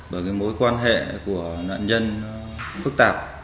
bởi mối quan hệ của nạn nhân phức tạp